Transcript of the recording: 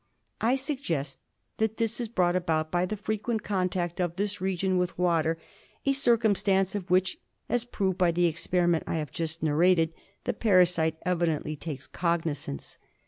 I suggest that this is brought about by the frequent contact of this region with water, a cir cumstance of which, as proved by the experiment I have just narrated, the parasite evidently takes cognizance.